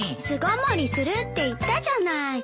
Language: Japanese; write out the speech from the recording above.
巣ごもりするって言ったじゃない。